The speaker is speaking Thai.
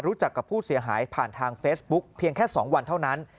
รู้จักกับผู้เสียหายผ่านทางเฟซบุ๊กเพียงแค่๒วันเท่านั้น